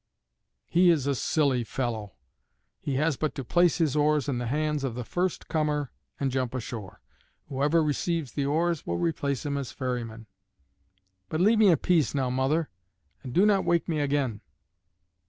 "He is a silly fellow. He has but to place his oars in the hands of the first comer and jump ashore. Who ever receives the oars will replace him as ferryman. But leave me in peace now, mother, and do not wake me again.